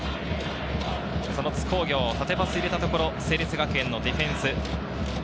その津工業、縦パスを入れたところ、成立学園のディフェンス。